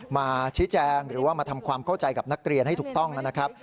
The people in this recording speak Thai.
มาชี้แจงหรือว่ามาทำความเข้าใจกับนักเรียนให้ถูกต้องนะครับ